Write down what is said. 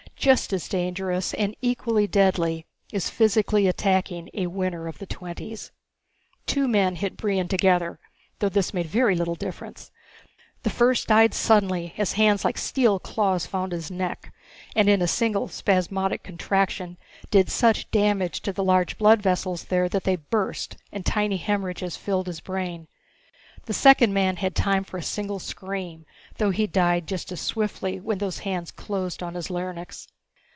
Just as dangerous, and equally deadly, is physically attacking a Winner of the Twenties. Two men hit Brion together, though this made very little difference. The first died suddenly as hands like steel claws found his neck and in a single spasmodic contraction did such damage to the large blood vessels there that they burst and tiny hemorrhages filled his brain. The second man had time for a single scream, though he died just as swiftly when those hands closed on his larynx.